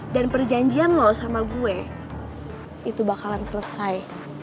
dan perjanjian lo sama gue itu bakalan selesai